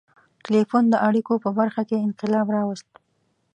• ټیلیفون د اړیکو په برخه کې انقلاب راوست.